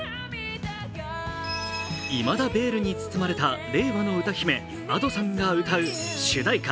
いまだベールに包まれた令和の歌姫・Ａｄｏさんが歌う主題歌